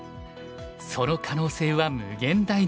その可能性は無限大です。